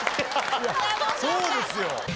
そうですよ。